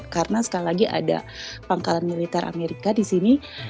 karena sekali lagi ada pangkalan militer amerika di sini